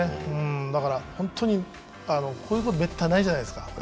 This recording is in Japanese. だから本当にこういうことめったにないじゃないですか。